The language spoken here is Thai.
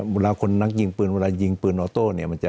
พอเวลาคนนักยิงปืนเวลายิงปืนออโต้